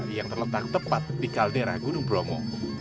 yang terletak tepat di kaldera gunung bromo